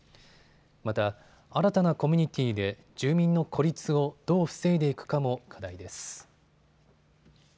また、新たなコミュニティーで住民の孤立をどう防いでいくかも課題です。